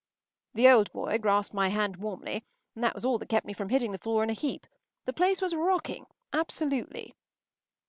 ” The old boy grasped my hand warmly, and that was all that kept me from hitting the floor in a heap. The place was rocking. Absolutely.